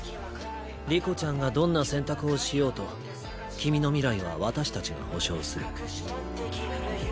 理子ちゃんがどんな選択をしようと君の未来は私たちが保証する。